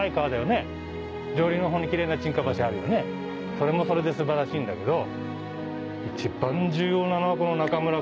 それもそれで素晴らしいんだけど。